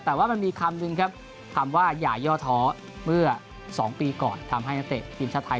แต่ว่ามันมีคำหนึ่งครับคำว่าอย่าย่อท้อเมื่อ๒ปีก่อนทำให้นักเตะทีมชาติไทย